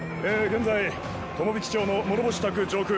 現在友引町の諸星宅上空。